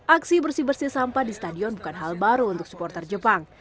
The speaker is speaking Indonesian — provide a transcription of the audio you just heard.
aksi bersih bersih sampah di stadion bukan hal baru untuk supporter jepang